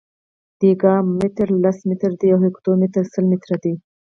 دیکا متر لس متره دی او هکتو متر سل متره دی.